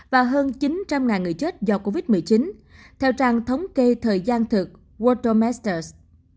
và hơn chín trăm linh người chết do covid một mươi chín theo trang thống kê thời gian thực world masters